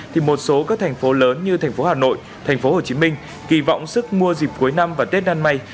thì một số các thành phố lớn như thành phố hà nội thành phố hồ chí minh kỳ vọng sức mua dịp cuối năm và tết đan mây